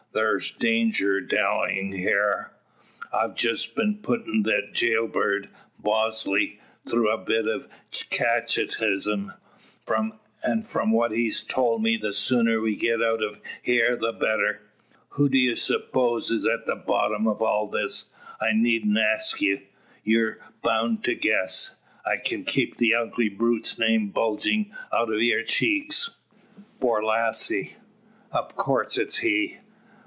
"Thar's danger in dallyin' hyar. I've jest been puttin' thet jail bird, Bosley, through a bit o' catechism; an' from what he's told me the sooner we git out o' hyar the better. Who d'ye spose is at the bottom o' all this? I needn't ask ye; ye're boun to guess. I kin see the ugly brute's name bulgin' out yur cheeks." "Borlasse!" "In course it's he.